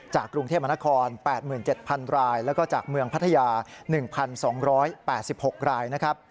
กรุงเทพมนคร๘๗๐๐รายแล้วก็จากเมืองพัทยา๑๒๘๖รายนะครับ